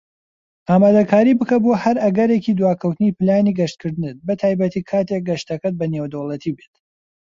ئامادەکاری بکە بۆ هەر ئەگەرێکی دواکەوتنی پلانی گەشتکردنت، بەتایبەتی کاتیک گەشتەکەت بە نێودەوڵەتی بێت.